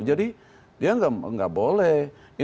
jadi dia nggak boleh